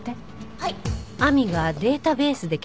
はい。